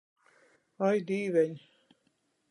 Ai, Dīveņ!